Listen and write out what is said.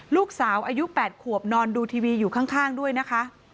ลูกสาวอายุ๘ขวบนอนดูทีวีอยู่ข้างด้วยนะคะ